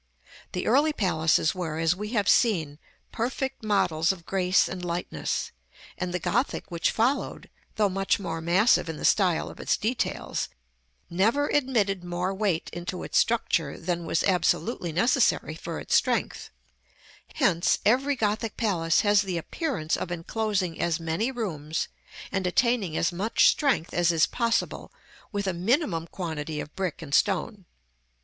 The early palaces were, as we have seen, perfect models of grace and lightness, and the Gothic, which followed, though much more massive in the style of its details, never admitted more weight into its structure than was absolutely necessary for its strength, Hence, every Gothic palace has the appearance of enclosing as many rooms, and attaining as much strength, as is possible, with a minimum quantity of brick and stone.